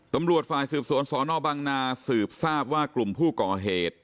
ตำรวจฝ่ายสืบสวนสนบังนาสืบทราบว่ากลุ่มผู้ก่อเหตุ